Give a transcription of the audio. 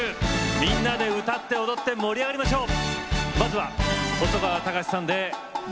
みんなで歌って踊って盛り上がりましょう！